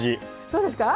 そうですか？